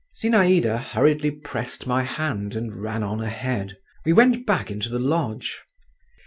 Zinaïda hurriedly pressed my hand and ran on ahead. We went back into the lodge.